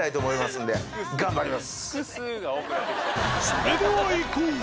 それではいこう！